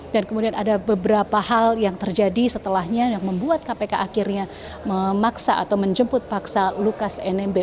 dan kemudian ada beberapa hal yang terjadi setelahnya yang membuat kpk akhirnya memaksa atau menjemput paksa lukas nmb